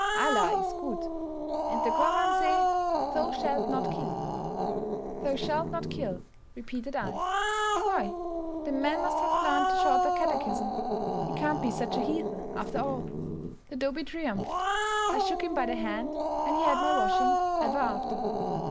Allah is good, and the Koran say, 'Thou shalt not kill.'" "Thou shalt not kill," repeated I; "why, the man must have learned the 'Shorter Catechism;' he can't be such a heathen after all." The dobee triumphed. I shook him by the hand, and he had my washing ever after.